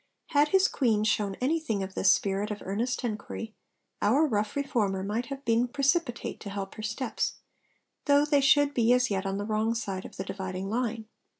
Had his Queen shown anything of this spirit of earnest enquiry, our rough Reformer might have been precipitate to help her steps, though they should be as yet on the wrong side of the dividing line.